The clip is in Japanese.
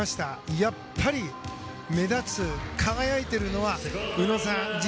やっぱり目立つ輝いているのは宇野さん。